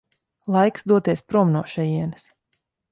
Laiks doties prom no šejienes.